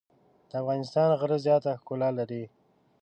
د افغانستان غره زیاته ښکلا لري.